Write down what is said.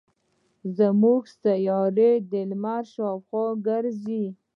زمونږ سیاره د لمر شاوخوا ګرځي.